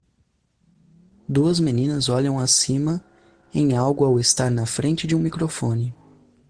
Duas meninas olham acima em algo ao estar na frente de um microfone.